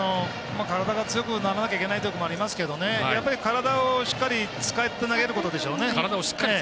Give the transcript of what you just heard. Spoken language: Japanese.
体が強くならなきゃいけないということもありますがやっぱり体をしっかり使って投げることですね。